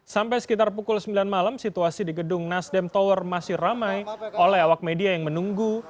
sampai sekitar pukul sembilan malam situasi di gedung nasdem tower masih ramai oleh awak media yang menunggu